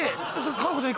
夏菜子ちゃん